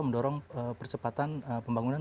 mendorong percepatan pembangunan